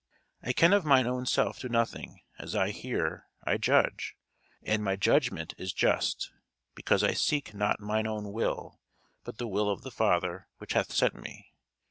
I can of mine own self do nothing: as I hear, I judge: and my judgment is just; because I seek not mine own will, but the will of the Father which hath sent me.